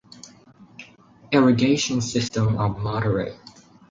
Irrigation system are moderate.